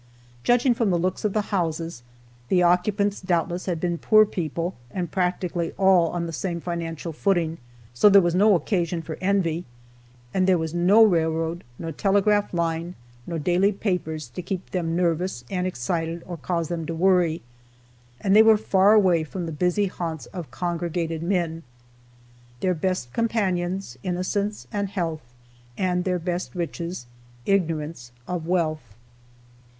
Judging from the looks of the houses, the occupants doubtless had been poor people and practically all on the same financial footing, so there was no occasion for envy. And there was no railroad, nor telegraph line, nor daily papers, to keep them nervous and excited or cause them to worry. And they were far away from the busy haunts of congregated men, "Their best companions, innocence and health, And their best riches, ignorance of wealth."